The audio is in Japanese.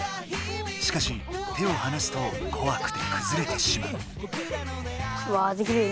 しかし手をはなすとこわくてくずれてしまう。